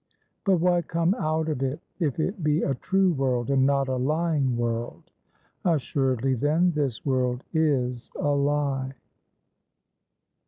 But why come out of it, if it be a True World and not a Lying World? Assuredly, then, this world is a lie.